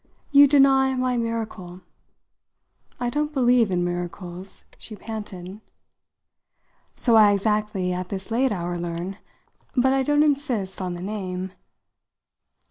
You deny my miracle." "I don't believe in miracles," she panted. "So I exactly, at this late hour, learn. But I don't insist on the name.